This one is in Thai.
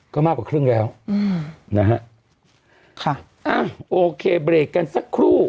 ก็มากกว่าครึ่งแล้วนะฮะอ้าวโอเคเบรกกันสักครู่